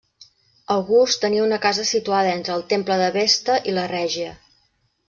August tenia una casa situada entre el Temple de Vesta i la Regia.